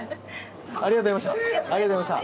ありがとうございます。